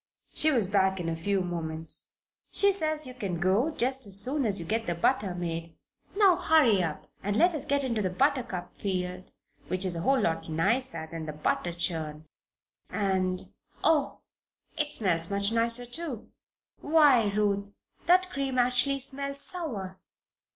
She was back in a few moments. "She says you can go, just as soon as you get the butter made. Now, hurry up, and let us get into the buttercup field, which is a whole lot nicer than the butter churn and Oh! it smells much nicer, too. Why, Ruth, that cream actually smells sour!"